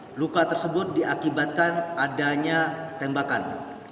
ternyata luka tersebut diakibatkan adanya tembakan